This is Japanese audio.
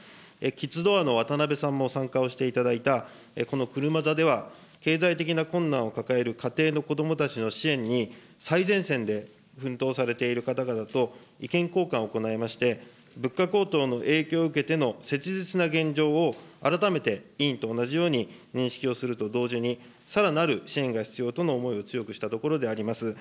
キッズドアのわたなべさんも参加をしていただいたこの車座では、経済的な困難を抱える家庭の子どもたちの支援に、最前線で奮闘されている方々と、意見交換を行いまして、物価高騰の影響を受けての切実な現状を、改めて委員と同じように認識をすると同時にさらなる支援が必要との思いを強くしたところであります。